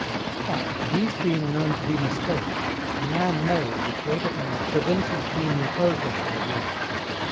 But, THESE BEING KNOWN TO BE MISTAKES, A MAN MAY with greater ease PREVENT HIS BEING IMPOSED ON BY WORDS.